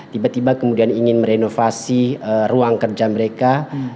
tiba tiba kemudian ingin merenovasi ruang kerja mereka